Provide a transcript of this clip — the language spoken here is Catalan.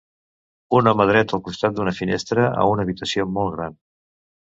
Un home dret al costat d'una finestra a una habitació molt gran.